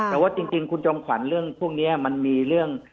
แต่ว่าจริงคุณจอมขวัญเรื่องพวกนี้มันมีเรื่อง